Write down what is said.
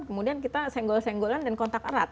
kemudian kita senggol senggolan dan kontak erat